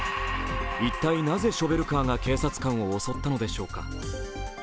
一体なぜショベルカーが警察官を襲ったのでしょうか。